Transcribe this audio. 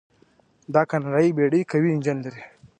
دا کاناډایي بیړۍ قوي انجن لري.